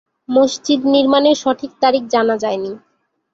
মসজিদ নির্মাণের সঠিক তারিখ জানা যায়নি।